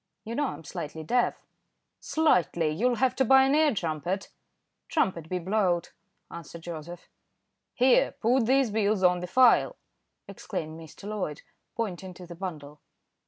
"You know I'm slightly deaf." "Slightly! You'll have to buy an ear trumpet." "Trumpet be blowed," answered Joseph. "Here, put these bills on the file," exclaimed Mr. Loyd, pointing to the bundle.